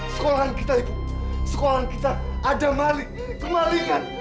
sekolahan kita ibu sekolahan kita ada maling kemalingan